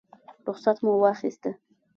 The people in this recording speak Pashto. رخصت مو واخیست.